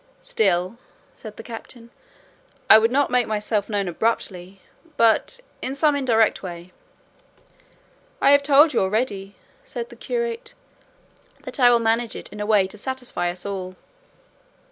"Still," said the captain, "I would not make myself known abruptly, but in some indirect way." "I have told you already," said the curate, "that I will manage it in a way to satisfy us all."